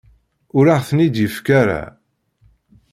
Ur aɣ-ten-id-yefki ara.